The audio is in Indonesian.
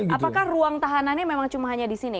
apakah ruang tahanannya memang cuma hanya di sini